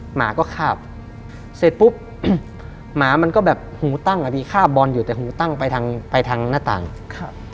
หมาก็คาบเสร็จปุ๊บอืมหมามันก็แบบหูตั้งอ่ะพี่คาบบอลอยู่แต่หูตั้งไปทางไปทางหน้าต่างครับ